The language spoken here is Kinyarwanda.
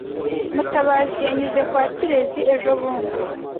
Mutabazi yanyuze kwa Kirezi ejobundi.